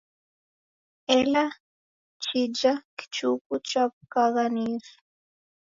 Ela chija kichuku chaw'ukwagha ni isu.